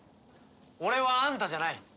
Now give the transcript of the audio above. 俺はあんたじゃない。